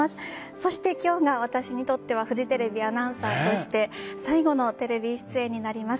そして今日が私にとってはフジテレビアナウンサーとして最後のテレビ出演になります。